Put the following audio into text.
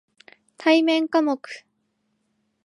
対面科目